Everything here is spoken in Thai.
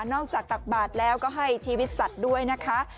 จากตักบาทแล้วก็ให้ชีวิตสัตว์ด้วยนะคะ